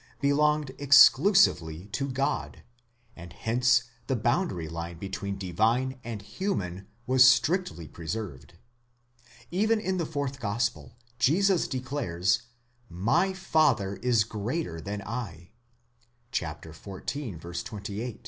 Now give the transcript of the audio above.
belonged exclusively to God, and hence the boundary line between divine and human was strictly preserved. Even in the fourth gospel Jesus declares, My Father ts greater than I, ὃ πατήρ pov μείζων pov ἐστὶ (xiv.